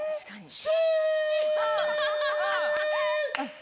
し！